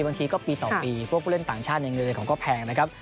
บางทีก็ปีต่อปีพวกผู้เล่นต่างชาติอย่างเดียวกันก็แพงนะครับ